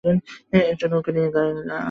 একটা নৌকা নিয়ে গাঁয়ে ফিরব!